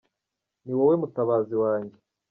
Ni wowe mutabazi wanjye